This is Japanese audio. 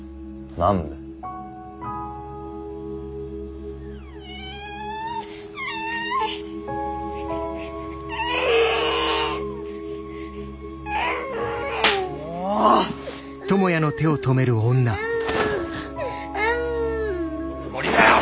何のつもりだよ！